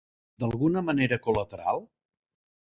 D'alguna manera col·lateral?